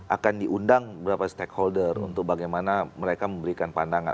akan diundang beberapa stakeholder untuk bagaimana mereka memberikan pandangan